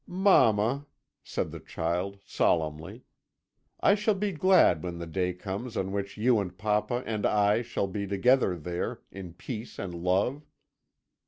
"'Mamma,' said the child solemnly, 'I shall be glad when the day comes on which you and papa and I shall be together there, in peace and love.